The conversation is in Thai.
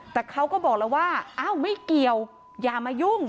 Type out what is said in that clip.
แต่เขาก็บอกแล้วว่าอ้าวไม่เกี่ยวอย่ามายุ่ง